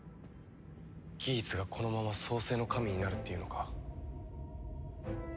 ギーツがこのまま創世の神になるっていうのか。